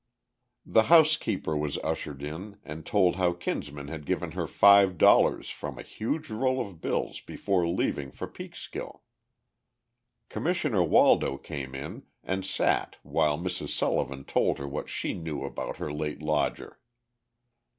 The housekeeper was ushered in, and told how Kinsman had given her five dollars from a huge roll of bills before leaving for Peekskill. Commissioner Waldo came in and sat while Mrs. Sullivan told what she knew about her late lodger.